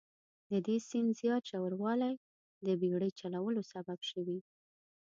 د دې سیند زیات ژوروالی د بیړۍ چلولو سبب شوي.